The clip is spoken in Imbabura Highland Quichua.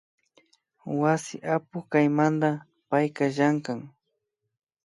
Wasi apuk kaymanta payka llankan